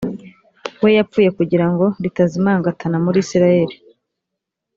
we wapfuye kugira ngo ritazimangatana muri isirayeli